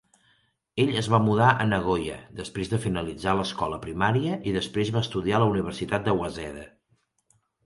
Ell es va mudar a Nagoya després de finalitzar l'escola primària i després va estudiar a la Universitat de Waseda.